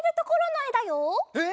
えっ！？